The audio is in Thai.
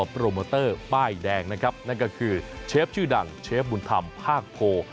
โปรโมเตอร์ป้ายแดงนะครับนั่นก็คือเชฟชื่อดังเชฟบุญธรรมภาคโพ